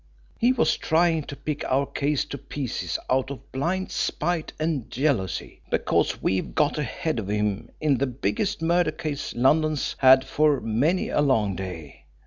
He was trying to pick our case to pieces out of blind spite and jealousy, because we've got ahead of him in the biggest murder case London's had for many a long day.